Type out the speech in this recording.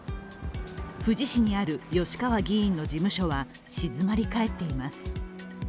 富士市にある吉川議員の事務所は静まり返っています。